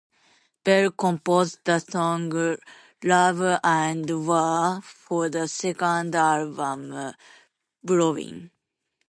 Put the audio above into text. Bell composed the song "Love and War" for the second album, "Blowin'".